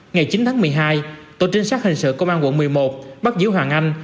ngày chín tháng một mươi hai tổ trinh sát hình sự công an quận một mươi một bắt giữ hoàng anh